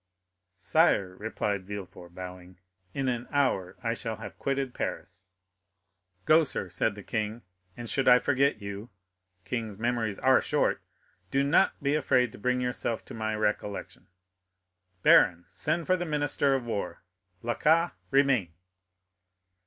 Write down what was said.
"Sire," replied Villefort, bowing, "in an hour I shall have quitted Paris." "Go, sir," said the king; "and should I forget you (kings' memories are short), do not be afraid to bring yourself to my recollection. Baron, send for the minister of war. Blacas, remain."